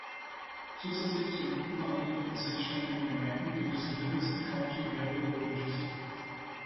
Zusätzlich zu den unten angeführten selbständigen Gemeinden gibt es im Livingston County mehrere "villages".